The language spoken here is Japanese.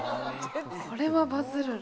これはバズるな。